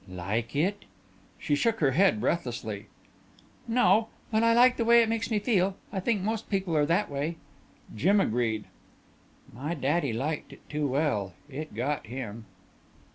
"Like it?" She shook her head breathlessly. "No, but I like the way it makes me feel. I think most people are that way." Jim agreed. "My daddy liked it too well. It got him."